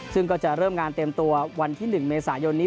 ซึ่งก็จะเริ่มงานเต็มตัววันที่๑เมษายนนี้